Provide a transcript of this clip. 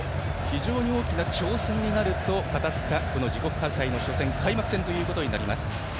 非常に大きな挑戦になると語った自国開催の初戦開幕戦となります。